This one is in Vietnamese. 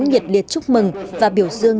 nhiệt liệt chúc mừng và biểu dương